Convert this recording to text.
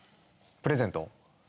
プレゼント？